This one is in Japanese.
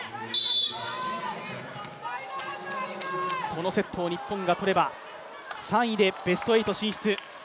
このセットを日本がとれば３位でベスト８進出。